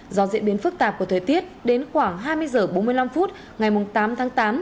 do diễn biến phức tạp của thời tiết đến khoảng hai mươi h bốn mươi năm phút ngày tám tháng tám